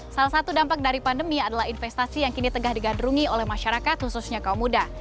salah satu dampak dari pandemi adalah investasi yang kini tengah digandrungi oleh masyarakat khususnya kaum muda